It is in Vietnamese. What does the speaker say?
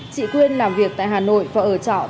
chị quyên làm việc tại hà nội và ở trường hà nội